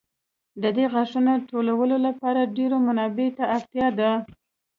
د دې غاښونو ټولولو لپاره ډېرو منابعو ته اړتیا ده.